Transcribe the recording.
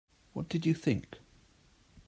What did you think?